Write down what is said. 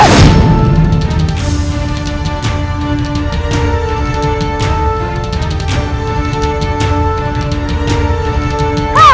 aku yang lepaskanmu